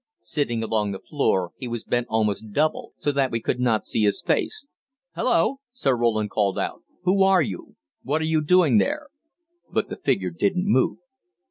Sitting along the floor, he was bent almost double, so that we could not see his face. "Hello!" Sir Roland called out, "who are you? What are you doing there?" But the figure didn't move.